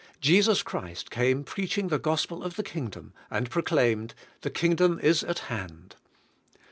Jesus Christ came preaching the Gospel of the Kingdom, and proclaimed "The Kingdom is at hand."